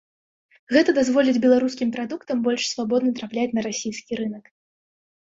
Гэта дазволіць беларускім прадуктам больш свабодна трапляць на расійскі рынак.